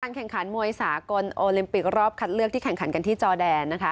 แข่งขันมวยสากลโอลิมปิกรอบคัดเลือกที่แข่งขันกันที่จอแดนนะคะ